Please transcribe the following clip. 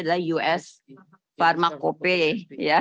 kalau di amerika misalnya ada